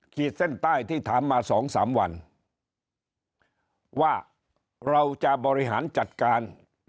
ขีดเส้นใต้ที่ถามมาสองสามวันว่าเราจะบริหารจัดการ